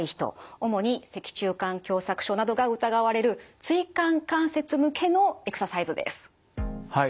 主に脊柱管狭窄症などが疑われる椎間関節向けのエクササイズです。